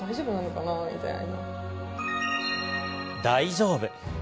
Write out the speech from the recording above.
大丈夫。